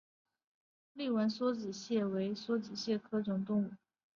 丽纹梭子蟹为梭子蟹科梭子蟹属的动物。